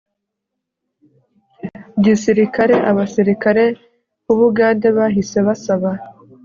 gisirikare abasirikare b u bugande bahise basaba